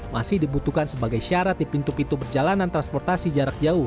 masih dibutuhkan sebagai syarat di pintu pintu perjalanan transportasi jarak jauh